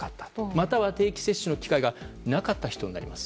または、定期接種の機会がなかった人になります。